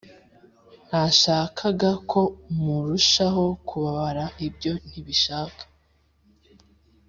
Ntashakaga ko murushaho kubabara ibyo ntibishaka